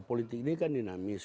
politik ini kan dinamis